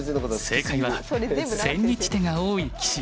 正解は千日手が多い棋士。